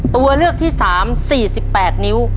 ตัวเลือกที่๓๔๘นิ้ว